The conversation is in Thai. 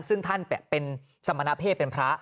ซึ่งท่านเป็นสมณเพศเป็นพระ